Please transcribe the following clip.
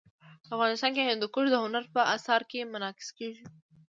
افغانستان کې هندوکش د هنر په اثار کې منعکس کېږي.